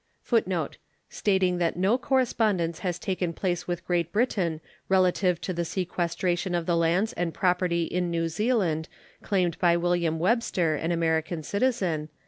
[Footnote 110: Stating that no correspondence has taken place with Great Britain relative to the sequestration of the lands and property in New Zealand claimed by William Webster, an American citizen.